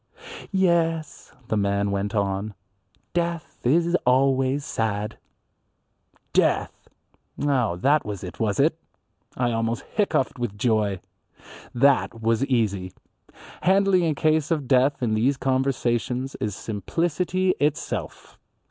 "Yes," the man went on, "death is always sad." Death! Oh, that was it, was it? I almost hiccoughed with joy. That was easy. Handling a case of death in these conversations is simplicity itself.